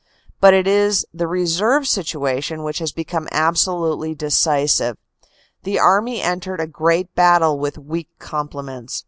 " But it is the reserve situation which has become ab solutely decisive. The Army entered the great battle with weak complements.